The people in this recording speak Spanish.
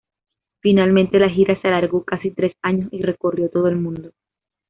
Finalmente la gira se alargó casi tres años y recorrió todo el mundo.